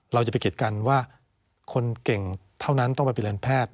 อย่าไปกิดกันว่าคนเก่งเท่านั้นต้องไปเรียนแพทย์